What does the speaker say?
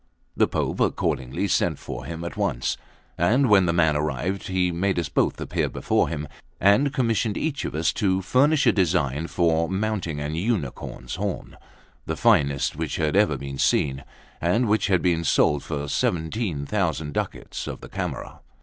The Pope accordingly sent for him at once; and when the man arrived, he made us both appear before him, and commissioned each of us to furnish a design for mounting an unicorn's horn, the finest which had ever been seen, and which had been sold for 17,000 ducats of the Camera.